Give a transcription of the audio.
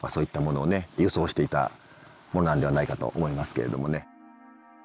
輸送していたものなんではないかと思いますけれどもね。